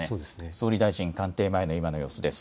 総理大臣官邸前の今の様子です。